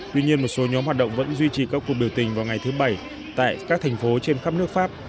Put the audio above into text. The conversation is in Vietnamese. tuy nhiên một số nhóm hoạt động vẫn duy trì các cuộc biểu tình vào ngày thứ bảy tại các thành phố trên khắp nước pháp